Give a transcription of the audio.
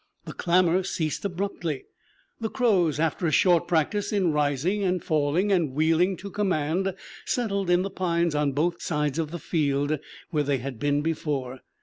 The clamor ceased abruptly. The crows, after a short practice in rising, falling, and wheeling to command, settled in the pines on both sides of the field, where they had been before.